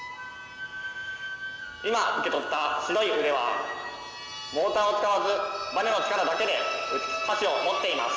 今受け取った白い腕はモーターを使わずばねの力だけで箸を持っています。